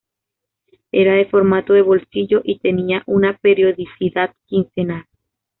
Era de formato de bolsillo y tenía una periodicidad quincenal.